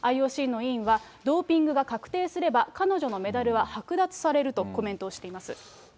ＩＯＣの委員は、ドーピングが確定すれば、彼女のメダルは剥奪されるとコメントしています。